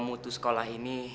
bantu aku ya allah